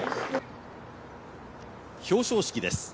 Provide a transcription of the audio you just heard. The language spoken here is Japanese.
表彰式です